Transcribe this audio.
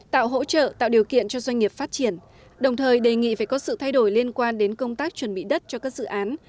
tạo hỗ trợ tạo điều kiện cho doanh nghiệp phát triển đồng thời đề nghị phải có sự thay đổi liên quan đến công tác chuẩn bị đất cho các dự án